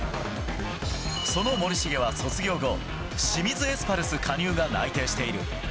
その森重は卒業後、清水エスパルス加入が内定している。